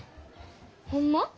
ホンマ？